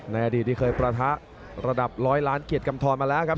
ในอดีตที่เคยประทะระดับร้อยล้านเกียรติกำทรมาแล้วครับ